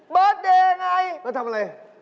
บอร์ดเดย์ไงแล้วทำอะไร